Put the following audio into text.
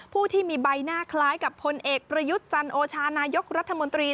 ผู้ที่มีใบหน้าคล้ายกับพลเอกประยุทธ์จันโอชานายกรัฐมนตรี